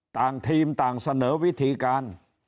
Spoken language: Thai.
ต่างทีมต่างเสนอวิธีการ